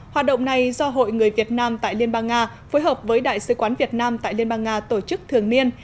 hoạt động này do hội người việt nam tại liên bang nga phối hợp với đại sứ quán việt nam tại liên bang nga tổ chức thường niên